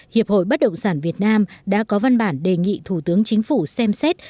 hiệp hội bất động sản việt nam đã có văn bản đề nghị thủ tướng chính phủ xem xét